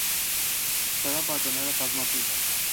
Դրա պատճառները բազմաթիվ են։